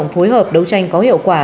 phối hợp đấu tranh có hiệu quả